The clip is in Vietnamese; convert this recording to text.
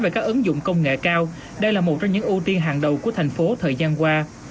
về các ứng dụng công nghệ cao đây là một trong những ưu tiên hàng đầu của thành phố thời gian qua